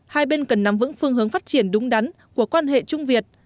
hai bên cần nắm vững phương hướng phát triển đúng đắn của quan hệ trung việt